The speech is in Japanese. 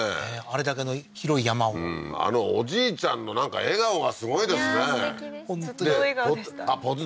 あれだけの広い山をあのおじいちゃんの笑顔がすごいですねいやー